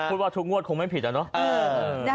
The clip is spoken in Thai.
พูดว่าทุกงวดคงไม่ผิดอะเนาะ